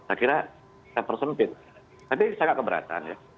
saya kira saya persimpit tapi sangat keberatan ya